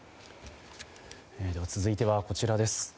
続いてはこちらです。